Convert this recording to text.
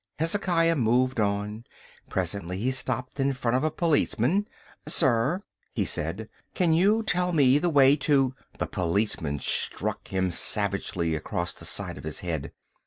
Hezekiah moved on. Presently he stopped in front of a policeman. "Sir," he said, "can you tell me the way to—" The policeman struck him savagely across the side of the head.